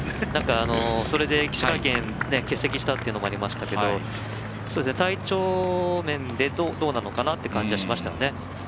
それで記者会見を欠席したっていうのもありましたけど体調面で、どうなのかなって感じしましたよね。